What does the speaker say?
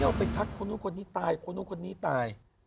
อย่าไปทักคนุคนนี้ตายคนุคนนี้ตาย